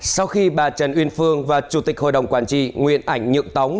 sau khi bà trần uyên phương và chủ tịch hội đồng quản trị nguyễn ảnh nhượng tóng